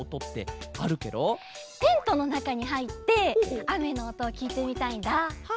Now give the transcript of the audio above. テントのなかにはいってあめのおとをきいてみたいんだ。